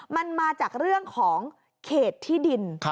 มันมาจากเรื่องของเขตที่ดิน